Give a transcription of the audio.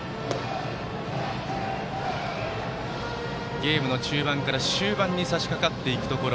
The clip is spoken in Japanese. ゲームの中盤から終盤にさしかかっていくところ。